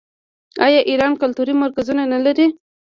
آیا ایران کلتوري مرکزونه نلري؟